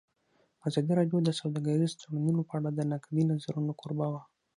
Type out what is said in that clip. ازادي راډیو د سوداګریز تړونونه په اړه د نقدي نظرونو کوربه وه.